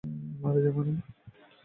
মারা যায় মানে?